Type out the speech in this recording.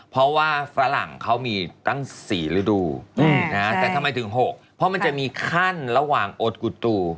เพราะว่าฝรั่งเขามีตั้ง๔ฤดู